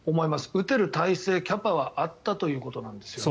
打てる体制、キャパはあったということなんですよね。